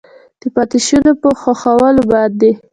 د پاتې شونو په ښخولو باندې